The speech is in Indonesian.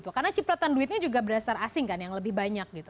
karena cipratan duitnya juga berdasar asing kan yang lebih banyak gitu